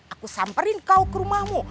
aku samperin kau ke rumahmu